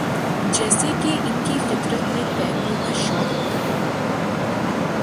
جیسے کہ ان کی فطر ت میں تیرنے کا شوق ہوتا ہے